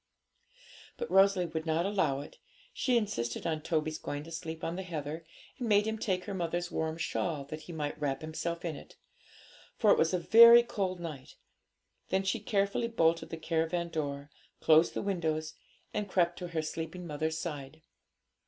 But Rosalie would not allow it; she insisted on Toby's going to sleep on the heather, and made him take her mother's warm shawl, that he might wrap himself in it, for [Illustration: ON THE MOOR.] [Blank Page] it was a very cold night. Then she carefully bolted the caravan door, closed the windows, and crept to her sleeping mother's side.